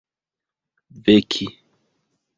veki